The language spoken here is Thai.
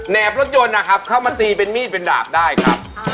บรถยนต์นะครับเข้ามาตีเป็นมีดเป็นดาบได้ครับ